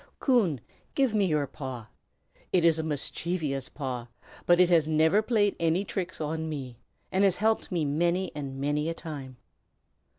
Coon, give me your paw! it is a mischievous paw, but it has never played any tricks on me, and has helped me many and many a time.